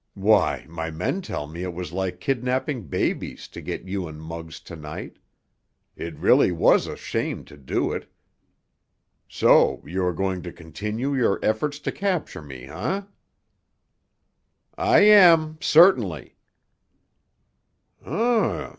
"Why, my men tell me it was like kidnapping babies to get you and Muggs to night. It really was a shame to do it. So you are going to continue your efforts to capture me, eh?" "I am—certainly!"